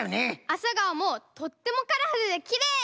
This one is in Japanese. アサガオもとってもカラフルできれい！